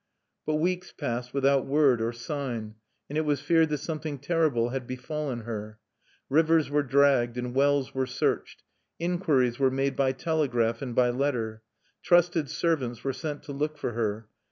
But weeks passed without word or sign; and it was feared that something terrible had befallen her. Rivers were dragged, and wells were searched. Inquiries were made by telegraph and by letter. Trusted servants were sent to look for her.